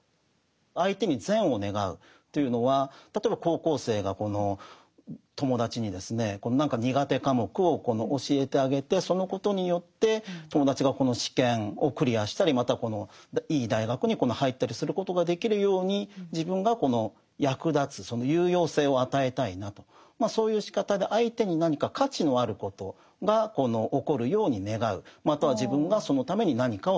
相手に善を願うというのは例えば高校生がこの友達にですね何か苦手科目を教えてあげてそのことによって友達がこの試験をクリアしたりまたいい大学に入ったりすることができるように自分がこの役立つ有用性を与えたいなとそういうしかたでまたは自分がそのために何かをすると。